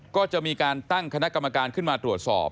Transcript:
ก็จะมีการตั้งคณะกรรมการขึ้นมาตรวจสอบ